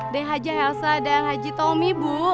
dari haja elsa dan haji tommy bu